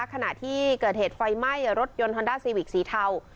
ขณะที่เกิดเหตุไฟไหม้รถยนต์ฮอนด้าซีวิกสีเทา